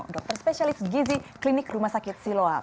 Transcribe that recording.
dr specialist gizi klinik rumah sakit siloam